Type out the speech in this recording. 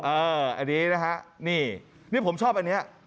อันนี้นะฮะนี่นี่ผมชอบอันนี้